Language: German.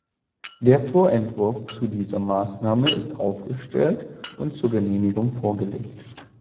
Der Vorentwurf zu dieser Maßnahme ist aufgestellt und zur Genehmigung vorgelegt.